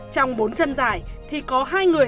trong bốn chân dài thì có hai người